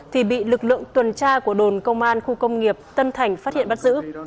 thì bị lực lượng tuần tra của đồn công an khu công nghiệp tân thành phát hiện bắt giữ